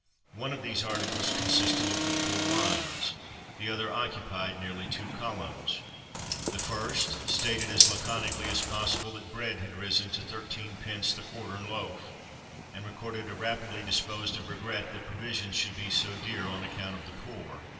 One of these articles consisted but of four lines: the other occupied nearly two columns. The first stated as laconically as possible that bread had risen to thirteen pence the quartern loaf, and recorded a rapidly disposed of regret that provisions should be so dear, on account of the poor.